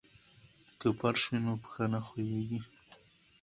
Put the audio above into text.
که فرش وي نو پښې نه ښویېږي.